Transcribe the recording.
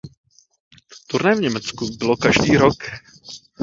Turné v Německu bylo každý rok.